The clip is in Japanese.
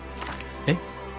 えっ？